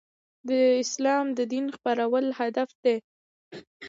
د اسلام د دین خپرول هدف دی.